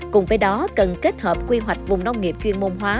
cùng với đó cần kết hợp quy hoạch vùng nông nghiệp chuyên môn hóa